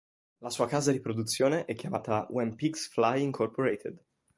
La sua casa di produzione è chiamata When Pigs Fly Incorporated.